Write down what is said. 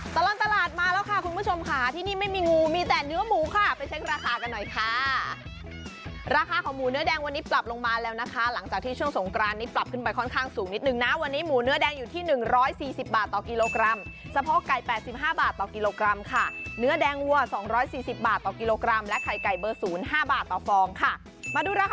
ตลอดตลาดมาแล้วค่ะคุณผู้ชมค่ะที่นี่ไม่มีงูมีแต่เนื้อหมูค่ะไปเช็คราคากันหน่อยค่ะราคาของหมูเนื้อแดงวันนี้ปรับลงมาแล้วนะคะหลังจากที่ช่วงสงกรานนี้ปรับขึ้นไปค่อนข้างสูงนิดนึงนะวันนี้หมูเนื้อแดงอยู่ที่๑๔๐บาทต่อกิโลกรัมเฉพาะไก่๘๕บาทต่อกิโลกรัมค่ะเนื้อแดงวัว๒๔๐บาทต่อกิโลกรัมและไข่ไก่เบอร์ศูนย์ห้าบาทต่อฟองค่ะมาดูราคา